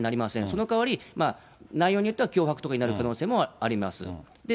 その代わり、内容によっては、脅迫とかになる可能性もあります。